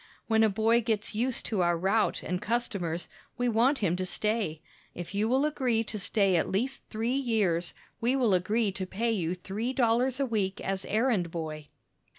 When a boy gets used to our route and customers, we want him to stay. If you will agree to stay at least three years, we will agree to pay you three dollars a week as errand boy."